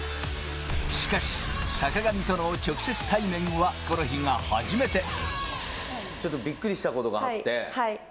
しかし、坂上との直接対面はこのちょっとびっくりしたことがあって。